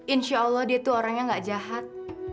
insya allah dia itu orangnya nggak jahat